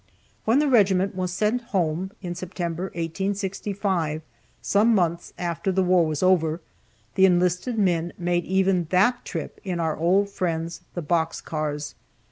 When the regiment was sent home in September, 1865, some months after the war was over, the enlisted men made even that trip in our old friends, the box cars.